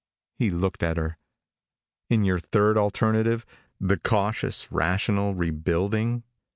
He looked at her. "In your third alternative the cautious, rational rebuilding?"